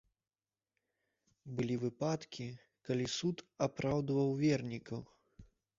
Былі выпадкі, калі суд апраўдваў вернікаў.